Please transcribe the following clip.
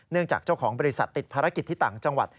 จากเจ้าของบริษัทติดภารกิจที่ต่างจังหวัด